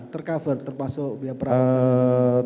tercover terpasuk biaya perang